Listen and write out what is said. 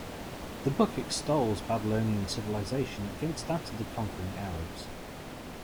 The book extols Babylonian civilization against that of the conquering Arabs.